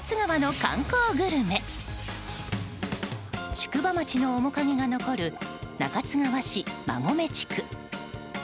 宿場町の面影が残る中津川市馬籠地区。